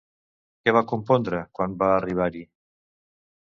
Què va compondre, quan va arribar-hi?